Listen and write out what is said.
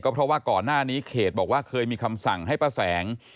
เพราะว่าก่อนหน้านี้เขตบอกว่าเคยมีคำสั่งให้ป้าแสง